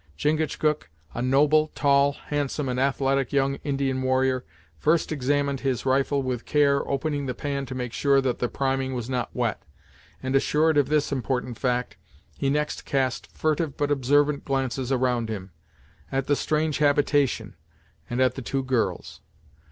Chingachgook, a noble, tall, handsome and athletic young Indian warrior, first examined his rifle with care, opening the pan to make sure that the priming was not wet, and, assured of this important fact, he next cast furtive but observant glances around him, at the strange habitation and at the two girls.